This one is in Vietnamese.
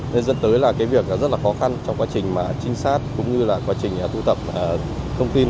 nên dẫn tới là cái việc rất là khó khăn trong quá trình mà trinh sát cũng như là quá trình tụ tập thông tin